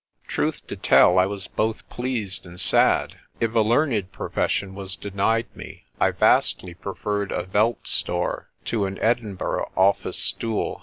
Truth to tell I was both pleased and sad. If a learned profession was denied me I vastly preferred a veld store to an Edinburgh office stool.